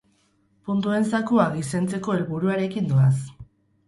Puntuen zakua gizentzeko helburuarekin doaz.